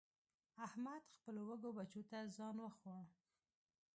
احمد خپلو وږو بچو ته ځان وخوړ.